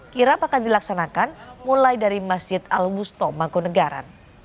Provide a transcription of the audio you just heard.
kirap akan dilaksanakan mulai dari masjid al wusto mangkunegaran